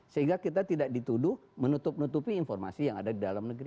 sehingga kita tidak dituduh menutup nutupi informasi yang ada di dalam negeri